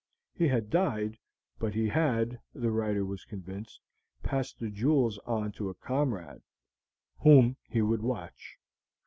He had died, but he had, the writer was convinced, passed the jewels on to a comrade, whom he would watch.